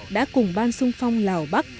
đã cùng ban xung phong lào bắc